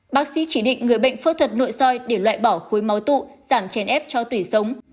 bác sĩ chỉ định người bệnh phẫu thuật nội soi để loại bỏ khối máu tụ giảm chèn ép cho tủy sống